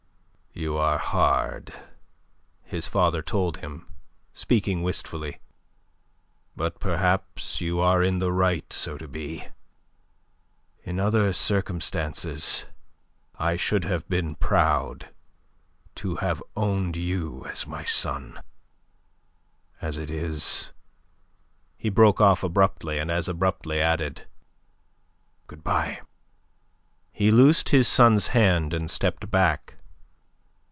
"You are hard," his father told him, speaking wistfully. "But perhaps you are in the right so to be. In other circumstances I should have been proud to have owned you as my son. As it is..." He broke off abruptly, and as abruptly added, "Good bye." He loosed his son's hand and stepped back.